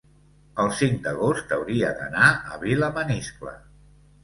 el cinc d'agost hauria d'anar a Vilamaniscle.